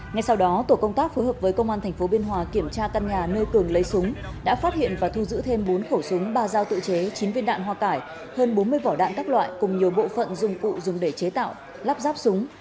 ngay sau đó tổ công tác phối hợp với công an tp biên hòa kiểm tra căn nhà nơi cường lấy súng đã phát hiện và thu giữ thêm bốn khẩu súng ba dao tự chế chín viên đạn hoa cải hơn bốn mươi vỏ đạn các loại cùng nhiều bộ phận dùng cụ dùng để chế tạo lắp ráp súng